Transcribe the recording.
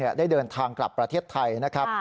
ได้เดินทางกลับประเทศไทยนะครับ